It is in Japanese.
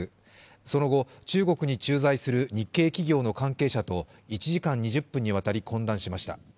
その後、中国に駐在する日系企業の関係者と１時間２０分にわたり懇談しました。